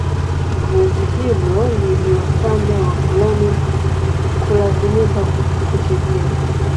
Zoezi hilo liliwafanya wakoloni kulazimika kukimbia